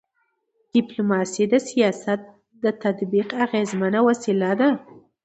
ډيپلوماسي د سیاست د تطبیق اغيزمنه وسیله ده.